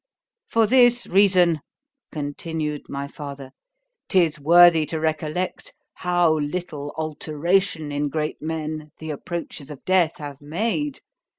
—— For this reason, continued my father, 'tis worthy to recollect, how little alteration, in great men, the approaches of death have made.